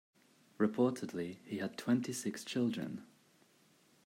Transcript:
Reportedly, he had twenty six children.